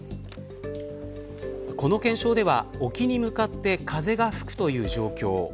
この検証では、沖に向かって風が吹くという状況。